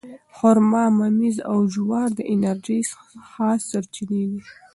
خرما، ممیز او جوار د انرژۍ ښه سرچینې دي.